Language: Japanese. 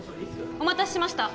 お待たせしました